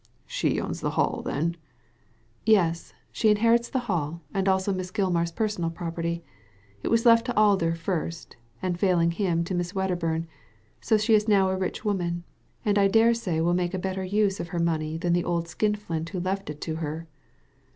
" She owns the Hall, then ?" ''Yes, she inherits the Hall, and also Miss Gilmar's personal property. It was left to Alder first, and failing him to Miss Wedderbum, so she is now a rich woman, and I dare say will make a better use of her money than the old skinflint who left it to her."